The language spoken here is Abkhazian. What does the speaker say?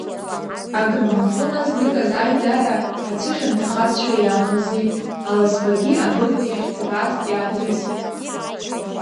Аграммофон азныказ аидара ацәыхьанҭахазшәа иааӷызит, аласбагьы абыкь иахьҭатәаз иааҭрысит.